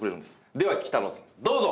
では北野さんどうぞ。